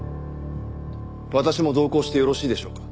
私も同行してよろしいでしょうか？